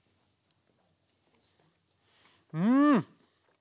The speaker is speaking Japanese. うん！